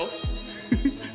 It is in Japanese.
フフフ。